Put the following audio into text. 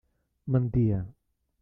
Mentia.